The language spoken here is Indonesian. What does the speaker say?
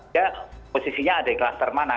dia posisinya ada di kluster mana